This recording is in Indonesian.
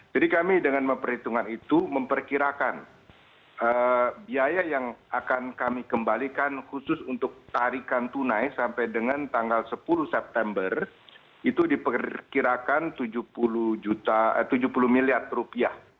jadi kami dengan memperhitungkan itu memperkirakan biaya yang akan kami kembalikan khusus untuk tarikan tunai sampai dengan tanggal sepuluh september itu diperkirakan tujuh puluh miliar rupiah